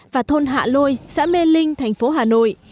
và thôn hạ lôi xã mê linh thành phố hà nội